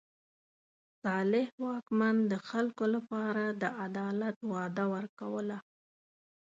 صالح واکمن د خلکو لپاره د عدالت وعده ورکوله.